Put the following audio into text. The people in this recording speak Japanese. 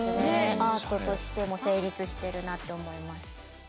アートとしても成立してるなって思います。